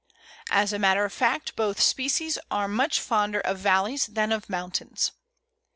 As a matter of fact, both species are much fonder of valleys than of mountains.